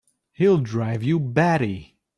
He'll drive you batty!